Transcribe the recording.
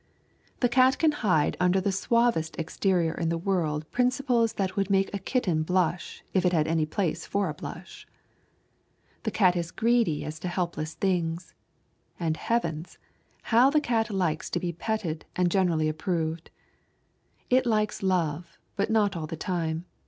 The cat can hide under the suavest exterior in the world principles that would make a kitten blush if it had any place for a blush. The cat is greedy as to helpless things. And heavens, how the cat likes to be petted and generally approved! It likes love, but not all the time.